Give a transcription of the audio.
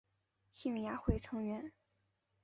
兴亚会成员。